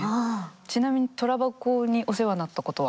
ちなみにトラ箱にお世話になったことは？